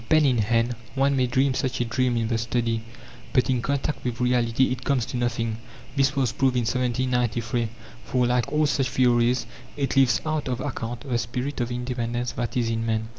Pen in hand, one may dream such a dream in the study, but in contact with reality it comes to nothing, this was proved in 1793; for, like all such theories, it leaves out of account the spirit of independence that is in man.